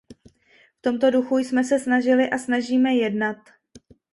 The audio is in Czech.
V tomto duchu jsme se snažili a snažíme jednat.